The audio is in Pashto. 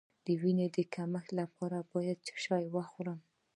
د وینې د کمښت لپاره باید څه شی وخورم؟